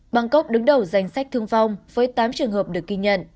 bangkok đứng đầu danh sách thương vong với tám trường hợp được ghi nhận